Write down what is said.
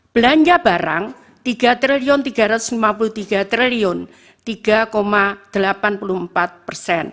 belanja barang rp tiga tiga ratus lima puluh tiga tiga ratus delapan puluh empat